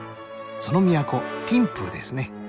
その都ティンプーですね。